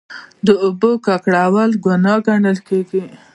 د اوبو ککړول ګناه ګڼل کیږي.